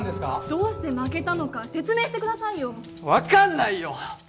どうして負けたのか説明してくださいよ分かんないよ！